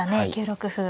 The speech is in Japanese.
９六歩。